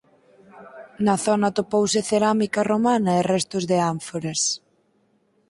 Na zona atopouse cerámica romana e restos de ánforas.